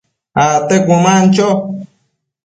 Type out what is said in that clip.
acte cuëman cho